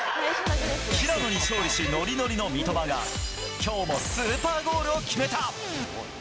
平野に勝利し、ノリノリの三笘が、きょうもスーパーゴールを決めた。